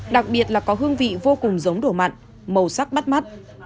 đặc biệt là có hương vị vô cùng giống đổ mặn màu sắc bắt mắt